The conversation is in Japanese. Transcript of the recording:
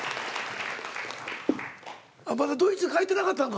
まだドイツ帰ってなかったんか。